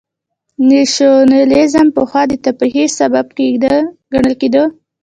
نېشنلېزم پخوا د تفرقې سبب ګڼل کېده.